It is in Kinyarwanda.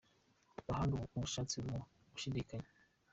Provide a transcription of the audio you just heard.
Bahanga ubushake mu bashidikanya